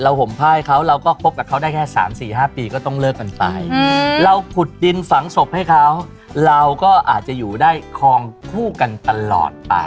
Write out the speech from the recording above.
ห่มผ้าให้เขาเราก็คบกับเขาได้แค่๓๔๕ปีก็ต้องเลิกกันไปเราขุดดินฝังศพให้เขาเราก็อาจจะอยู่ได้คลองคู่กันตลอดไป